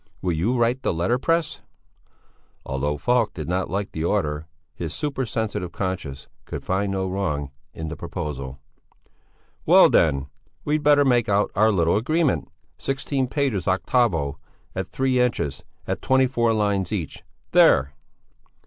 Will you write the letterpress?" Although Falk did not like the order, his super sensitive conscience could find no wrong in the proposal. "Well then! We'd better make out a little agreement. Sixteen pages octavo, at three inches, at twenty four lines each. There!"